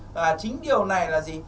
và chính điều này là gì